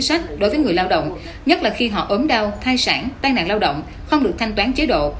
sách đối với người lao động nhất là khi họ ốm đau thai sản tai nạn lao động không được thanh toán chế độ